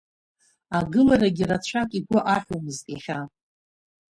Агыларагьы рацәак игәы аҳәомызт иахьа.